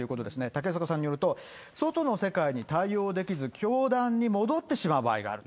竹迫さんによると、外の世界に対応できず、教団に戻ってしまう場合もある。